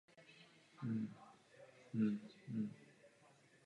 Vidím současnou situaci především jako příležitost.